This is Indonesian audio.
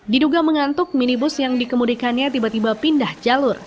diduga mengantuk minibus yang dikemudikannya tiba tiba pindah jalur